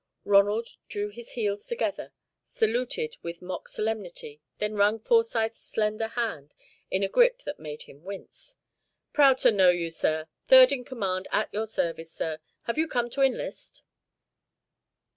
Ronald drew his heels together, saluted with mock solemnity, then wrung Forsyth's slender hand in a grip that made him wince. "Proud to know you, sir. Third in command, at your service, sir. Have you come to enlist?"